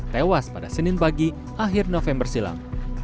tewas pada senin pagi akhir november silam